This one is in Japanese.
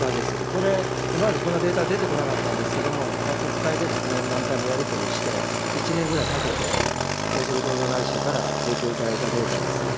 これ、今までこんなデータ出てこなかったんですけれども、国会で何回もやり取りして、１年ぐらいかけて、高速道路会社から提供いただいたデータです。